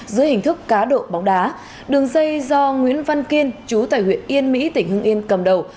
dưới hình thức cá độ bóng đá đường dây do nguyễn văn kiên chú tại huyện yên mỹ tỉnh hưng yên cầm đầu